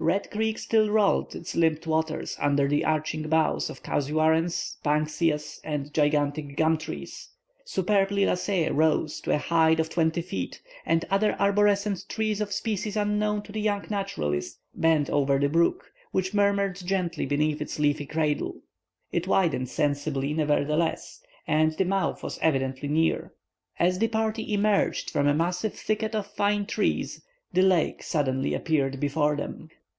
Red Creek still rolled its limped waters under the arching boughs of casuarence, bankseas and gigantic gum trees. Superb liliaceæ rose, to a height of twenty feet, and other arborescent trees of species unknown to the young naturalist, bent over the brook, which murmered gently beneath its leafy cradle. It widened sensibly, nevertheless, and the mouth was evidently near. As the party emerged from a massive thicket of fine trees, the lake suddenly appeared before them.